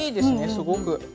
すごく。